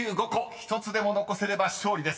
［１つでも残せれば勝利です。